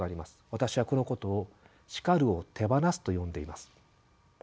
私はこのことを「叱るを手放す」と呼んでいます。